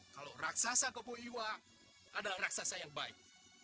kalau raksasa gopo iwa adalah raksasa yang baik